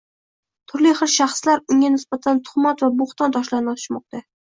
turli hil shaxslar unga nisbatan tuxmat va boʻxton toshlarini otishmoqda.